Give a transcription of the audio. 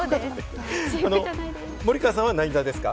森川さんは何座ですか？